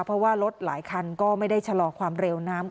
เพราะว่ารถหลายคันก็ไม่ได้ชะลอความเร็วน้ำ